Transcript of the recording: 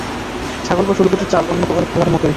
ছাগল বা ষোল গুটির চাল অন্য খেলার মতই।